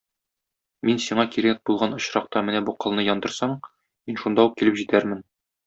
Мин сиңа кирәк булган очракта менә бу кылны яндырсаң, мин шунда ук килеп җитәрмен.